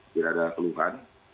tidak ada peluhan